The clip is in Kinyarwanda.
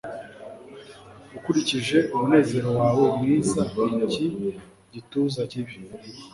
ukurikije umunezero wawe mwiza iki gituza kibi